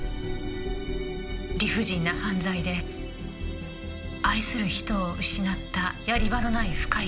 理不尽な犯罪で愛する人を失ったやり場のない深い悲しみ。